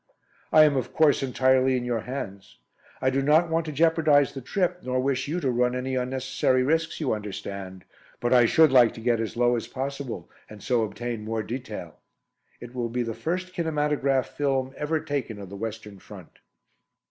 I am of course entirely in your hands. I do not want to jeopardise the trip, nor wish you to run any unnecessary risks, you understand, but I should like to get as low as possible, and so obtain more detail. It will be the first kinematograph film ever taken of the Western Front."